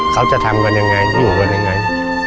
เขาจะทำกันยังไงอยู่กันยังไง